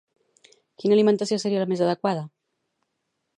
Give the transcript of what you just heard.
Quina alimentació seria la més adequada?